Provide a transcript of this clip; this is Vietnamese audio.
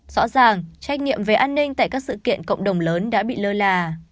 rõ ràng trách nhiệm về an ninh tại các sự kiện cộng đồng lớn đã bị lơ là